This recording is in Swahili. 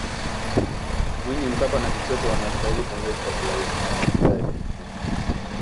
Mwinyi Mkapa na Kikwete wanastahili pongezi kwa kurahisisha mazingira ya kiuchumi